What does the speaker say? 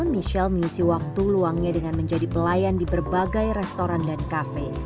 michelle mengisi waktu luangnya dengan menjadi pelayan di berbagai restoran dan kafe